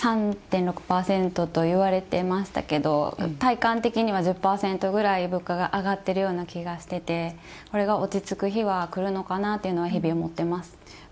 ３．６％と言われていましたけど体感的には１０％ぐらい物価が上がってるような気がしててこれが落ち着く日はくるのかなって日々思ってます。